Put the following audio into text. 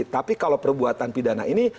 tapi kalau perbuatan pidana ini